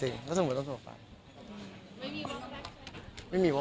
แล้วก่อนอันนี้เราก็แอบเข้าไปดู